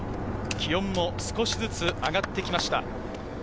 気温も少しずつ上がってきました。